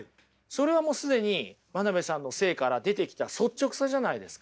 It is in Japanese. それはもう既に真鍋さんの生から出てきた率直さじゃないですか。